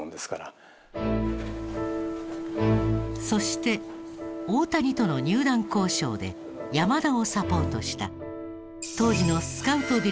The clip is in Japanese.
そして大谷との入団交渉で山田をサポートした当時のスカウト